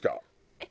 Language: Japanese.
えっ！